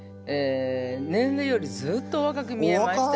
年齢よりずっとおわかく見えまして。